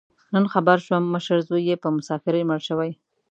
نن خبر شوم، مشر زوی یې په مسافرۍ مړ شوی.